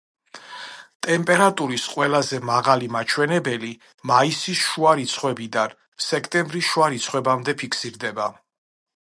ტემპერატურის ყველაზე მაღალი მაჩვენებელი მაისი შუა რიცხვებიდან სექტემბრის შუა რიცხვებამდე ფიქსირდება.